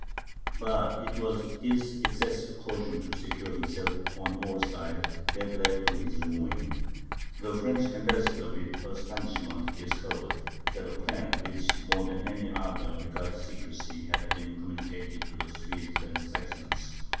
But it was this excessive caution to secure himself on all sides, that led to his ruin. The French ambassador with astonishment discovered that a plan, which, more than any other, required secrecy, had been communicated to the Swedes and the Saxons.